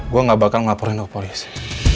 gue gak bakal ngelaporin ke polisi